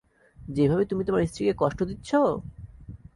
যেভাবে তুমি তোমার স্ত্রীকে কষ্ট দিচ্ছ?